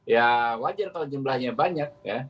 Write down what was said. ya wajar kalau jumlahnya banyak ya